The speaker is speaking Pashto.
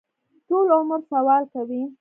ټول عمر سوال کوي.